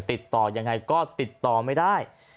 ติดต่อยังไงก็ติดต่อไม่ได้